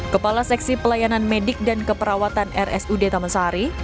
kepala seksi pelayanan medik dan keperawatan rsud taman sari